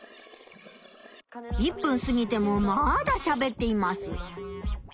１分すぎてもまだしゃべっています。